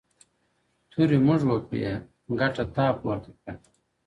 تورې موږ وکړې ګټه تا پورته کړه,